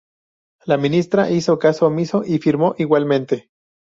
La ministra hizo caso omiso y firmó igualmente.